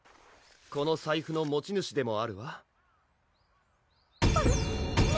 この財布の持ち主でもあるわパム